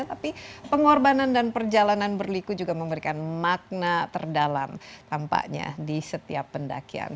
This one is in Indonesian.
tapi pengorbanan dan perjalanan berliku juga memberikan makna terdalam tampaknya di setiap pendakian